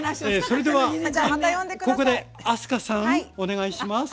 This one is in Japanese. それではここで明日香さんお願いします